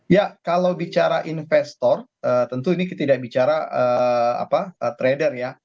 ya kalau bicara investor tentu ini tidak bicara trader ya